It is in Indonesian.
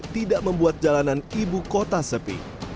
tidak membuat jalanan ibu kota sepi